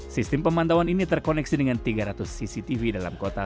sistem pemantauan ini terkoneksi dengan tiga ratus cctv dalam kota